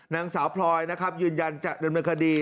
นางสาวพลอยนะครับยืนยันจะดำเนินคดี